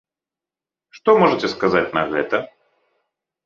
Што можаце сказаць на гэта?